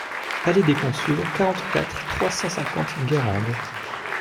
Allée des Consuls, quarante-quatre, trois cent cinquante Guérande